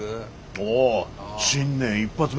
おお新年一発目の景気